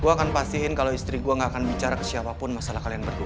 gue akan pastiin kalau istri gue gak akan bicara ke siapapun masalah kalian berdua